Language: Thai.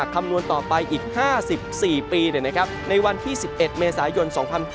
คำนวณต่อไปอีก๕๔ปีในวันที่๑๑เมษายน๒๕๖๐